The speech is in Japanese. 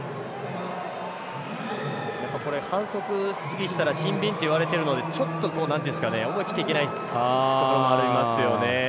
反則、次したら審議って言われてるのでちょっと思い切っていけないところもありますよね。